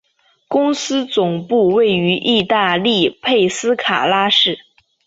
公司总部位于意大利佩斯卡拉市。